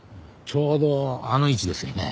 ちょうどあの位置ですよね。